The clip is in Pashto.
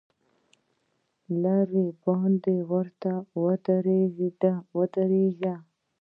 لرې باید ورته ودرېږې.